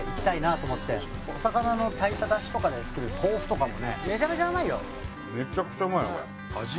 お魚の炊いた出汁とかで作る豆腐とかもねめちゃめちゃうまいよ！